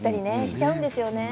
しちゃうんですよね。